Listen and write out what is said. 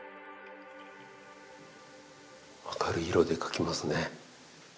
明るい色で描きますね。